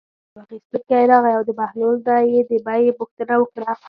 یو اخیستونکی راغی او د بهلول نه یې د بیې پوښتنه وکړه.